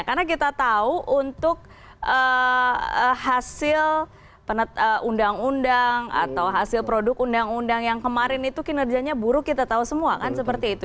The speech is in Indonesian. karena kita tahu untuk hasil undang undang atau hasil produk undang undang yang kemarin itu kinerjanya buruk kita tahu semua kan seperti itu